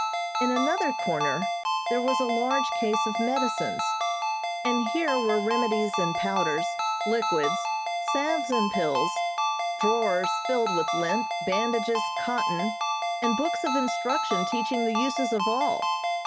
In another corner there was a large case of medicines, and here were remedies in powders, liquids, salves and pills, drawers filled with lint, bandages, cotton, and books of instruction teaching the uses of all.